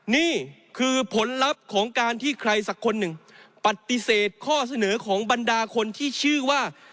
นี่คือผลลัพธ์ของการที่ใครสักคนหนึ่งปฏิเสธข้อเสนอของบรรดาคนที่ชื่อว่า